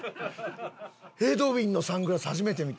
ＥＤＷＩＮのサングラス初めて見た。